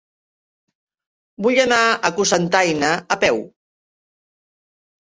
Vull anar a Cocentaina a peu.